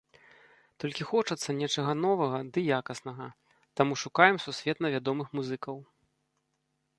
Толькі хочацца нечага новага ды якаснага, таму шукаем сусветна вядомых музыкаў.